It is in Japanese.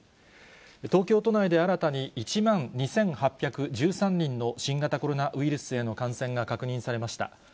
東京都内で新たに１万２８１３人の新型コロナウイルスへの感染が確認されました。